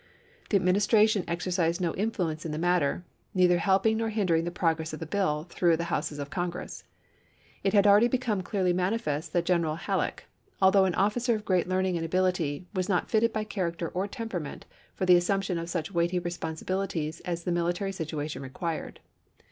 The Administration exer cised no influence in the matter, neither helping nor hindering the progi'ess of the bill through the Houses of Congress. It had already become clearly manifest that General Halleck, although an officer of great learning and ability, was not fitted by character or temperament for the assumption of such weighty responsibilities as the military situa tion required.